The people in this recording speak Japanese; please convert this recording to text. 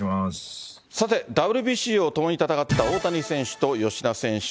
さて、ＷＢＣを共に戦った大谷選手と吉田選手。